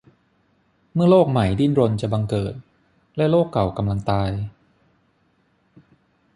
เมื่อโลกใหม่ดิ้นรนจะบังเกิด และโลกเก่ากำลังตาย ?